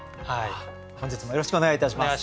本日もよろしくお願いいたします。